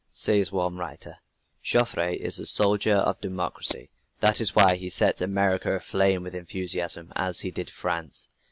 Says one writer: "Joffre is the soldier of democracy. That is why he sets America aflame with enthusiasm, as he did France.